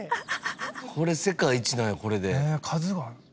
これ世界一なんやこれで。